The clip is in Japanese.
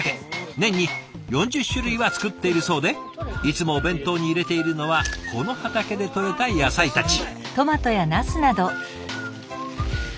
年に４０種類は作っているそうでいつもお弁当に入れているのはこの畑でとれた野菜たち。